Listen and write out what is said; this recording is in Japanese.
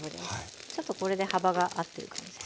ちょっとこれで幅が合ってる感じですかね。